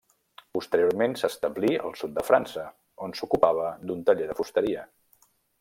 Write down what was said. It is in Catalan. Posteriorment s'establí al sud de França on s'ocupava d'un taller de fusteria.